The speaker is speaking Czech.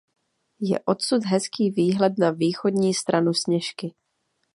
Je odsud hezký výhled na východní stranu Sněžky.